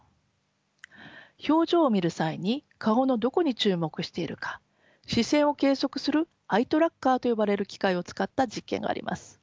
表情を見る際に顔のどこに注目しているか視線を計測するアイトラッカーと呼ばれる機械を使った実験があります。